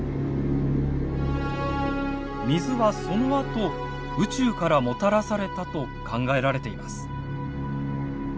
水はそのあと宇宙からもたらされたと考えられています。